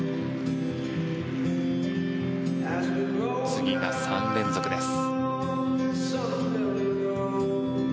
次が３連続です。